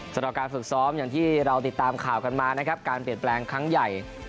สำหรับการฝึกซ้อมอย่างที่เราติดตามข่าวกันมานะครับการเปลี่ยนแปลงครั้งใหญ่